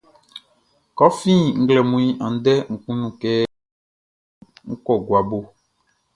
Kɛ fin nglɛmun andɛ, nʼkunnu kɛ nʼwɔ gua bo.